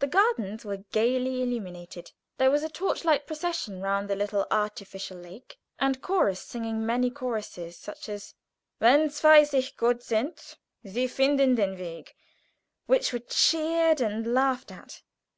The gardens were gayly illuminated; there was a torch light procession round the little artificial lake, and chorus singing merry choruses, such as "Wenn Zwei sich gut sind, sie finden den Weg" which were cheered and laughed at.